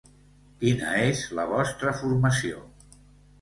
Quina és la vostra formació?